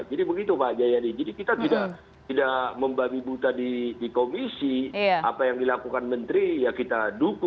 jadi begitu pak jaya jadi kita tidak membabi buta di komisi apa yang dilakukan menteri ya kita dukung